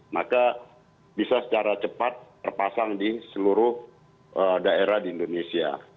maka bisa secara cepat terpasang di seluruh daerah di indonesia